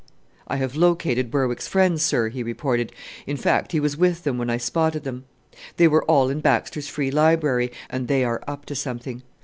"I have located Berwick's friends, sir," he reported, "in fact he was with them when I spotted them. They were all in Baxter's Free Library, and they are up to something.